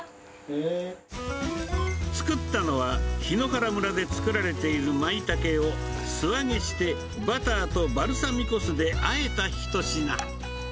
作ったのは、檜原村で作られているマイタケを素揚げして、バターとバルサミコ酢であえた一品。